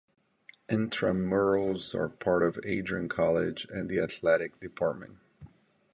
Intramurals are part of Adrian College and the athletic department.